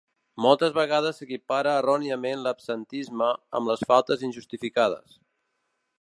Moltes vegades s’equipara erròniament l’absentisme amb les faltes injustificades.